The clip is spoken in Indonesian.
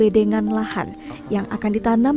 hanya kebodohapkan somewere conocen